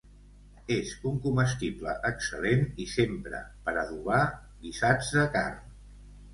És un comestible excel·lent i s'empra per adobar guisats de carn.